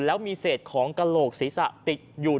แล้วมีเศษของกระโหลกศีรษะติดอยู่